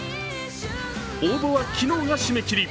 応募は昨日が締め切り。